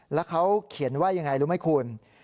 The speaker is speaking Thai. แล้วเขาเขียนว่ายังไงรู้ไหมคุณ